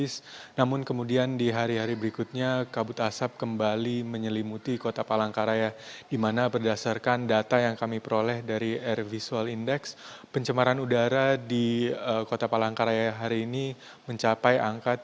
selamat malam putri